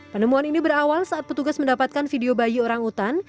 penemuan ini berawal saat petugas mendapatkan video bayi orangutan